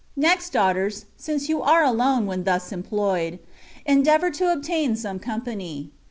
Next, daughters, since you are alone (when thus employed), endeavour to obtain some company.